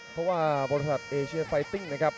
เพราะว่าบริษัทเอเชียไฟติ้งนะครับ